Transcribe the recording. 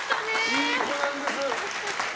いい子なんです。